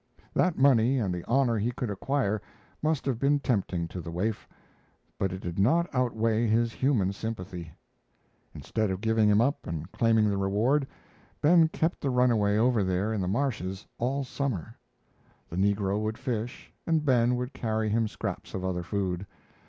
That money and the honor he could acquire must have been tempting to the waif, but it did not outweigh his human sympathy. Instead of giving him up and claiming the reward, Ben kept the runaway over there in the marshes all summer. The negro would fish and Ben would carry him scraps of other food.